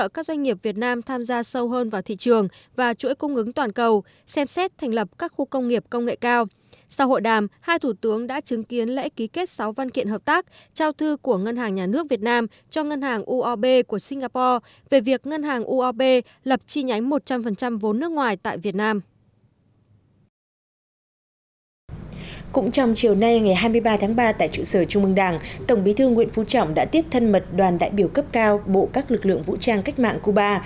cũng trong chiều nay ngày hai mươi ba tháng ba tại trụ sở trung mương đảng tổng bí thư nguyễn phú trọng đã tiếp thân mật đoàn đại biểu cấp cao bộ các lực lượng vũ trang cách mạng cuba